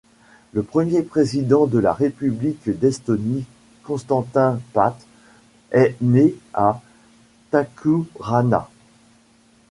Le premier Président de la République d'Estonie Konstantin Päts est né à Tahkuranna.